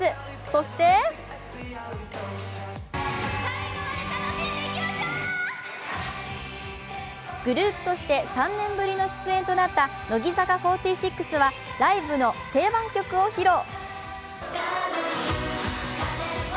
そしてグループとして３年ぶりの出演となった乃木坂４６はライブの定番曲を披露。